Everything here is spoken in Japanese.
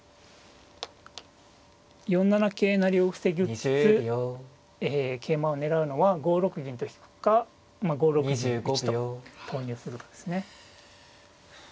４七桂成を防ぎつつ桂馬を狙うのは５六銀と引くか５六銀打と投入するかですね。